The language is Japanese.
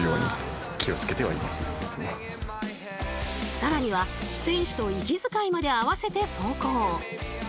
更には選手と息づかいまで合わせて走行。